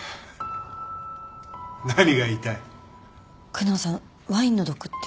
久能さんワインの毒って。